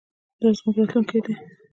دا زموږ راتلونکی دی.